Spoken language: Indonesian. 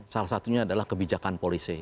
salah satunya adalah kebijakan polisi